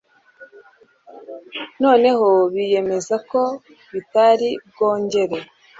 Noneho biyemeza ko bitari bwongere.